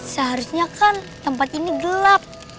seharusnya kan tempat ini gelap